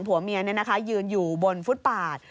๒ผัวเมียนี่นะคะยืนอยู่บนฟุตปาด